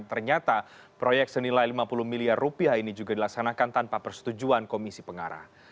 ternyata proyek senilai lima puluh miliar rupiah ini juga dilaksanakan tanpa persetujuan komisi pengarah